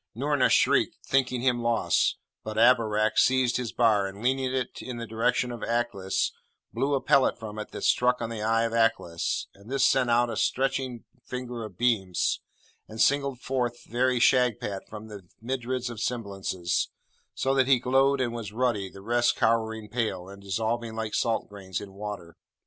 Noorna shrieked, thinking him lost; but Abarak seized his bar, and leaning it in the direction of Aklis, blew a pellet from it that struck on the eye of Aklis, and this sent out a stretching finger of beams, and singled forth very Shagpat from the myriads of semblances, so that he glowed and was ruddy, the rest cowering pale, and dissolving like salt grains in water.